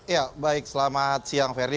ya baik selamat siang ferdi